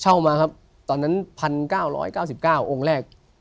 เข้ามาครับตอนนั้น๑๙๙๙องค์แรก